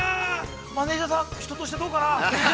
マネジャーさん、人としてどうかな？